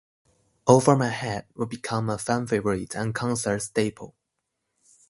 "Over My Head" would become a fan favorite and concert staple.